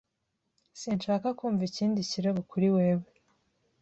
Sinshaka kumva ikindi kirego kuri wewe.